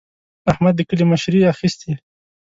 احمد د کلي مشري اخېستې.